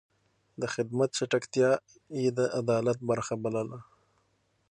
د خدمت چټکتيا يې د عدالت برخه بلله.